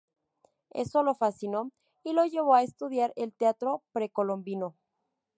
Eso lo fascinó y lo llevó a estudiar el teatro precolombino.